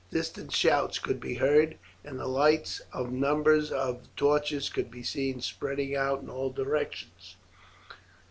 Distant shouts could be heard, and the lights of numbers of torches could be seen spreading out in all directions.